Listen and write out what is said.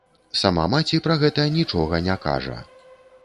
Сама маці пра гэта нічога не кажа.